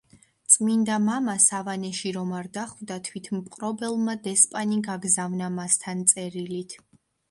წმინდა მამა სავანეში რომ არ დახვდა, თვითმპყრობელმა დესპანი გაგზავნა მასთან წერილით.